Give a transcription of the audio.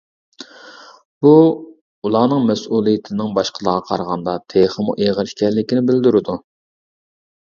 بۇ، ئۇلارنىڭ مەسئۇلىيىتىنىڭ باشقىلارغا قارىغاندا تېخىمۇ ئېغىر ئىكەنلىكىنى بىلدۈرىدۇ.